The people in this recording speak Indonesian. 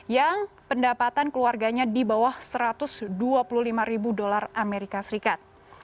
yang pendapatan keluarganya di bawah satu ratus dua puluh lima ribu dolar amerika serikat